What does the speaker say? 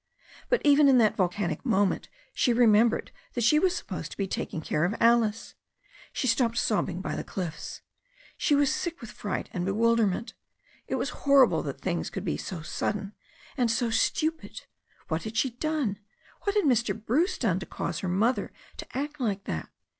But even in that volcanic moment she remembered that she was sup posed to be taking care of Alice. She stopped sobbing by the cliflfs. She was sick with fright and bewilderment. It was horrible that things could be so sudden and so stupid. What had she done, what had Mr. Bruce done to cause her mother to act like that?